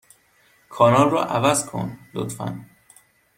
کانال را عوض کن، لطفا.